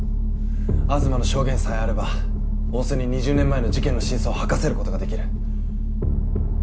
東の証言さえあれば大須に２０年前の事件の真相を吐かせることが出来る。